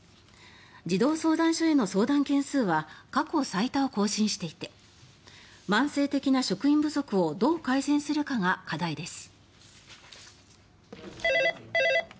児童相談所への相談件数は過去最多を更新していて慢性的な職員不足をどう改善するかが課題です。